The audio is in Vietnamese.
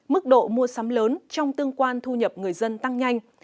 mức độ mua sắm lớn trong tương quan thu nhập người dân tăng nhanh